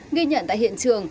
nghi nhận tại hiện trường